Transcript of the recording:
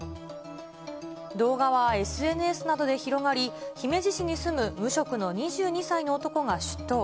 動画はＳＮＳなどで広がり、姫路市に住む無職の２２歳の男が出頭。